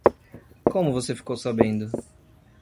Como você ficou sabendo?